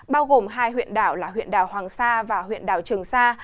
bao gồm hai huyện đảo là huyện đảo hoàng sa và huyện đảo trường sa